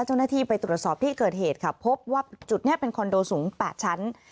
เจ้าหน้าที่ไปตรวจสอบที่เกิดเหตุค่ะพบว่าจุดนี้เป็นคอนโดสูง๘ชั้น